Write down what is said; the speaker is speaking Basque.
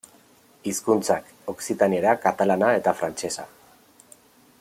Hizkuntzak: okzitaniera, katalana eta frantsesa.